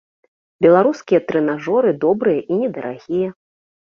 Беларускія трэнажоры добрыя і недарагія.